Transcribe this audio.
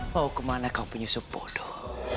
mau kemana kau punya sebodoh